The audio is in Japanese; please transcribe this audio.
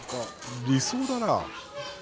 理想だなぁ。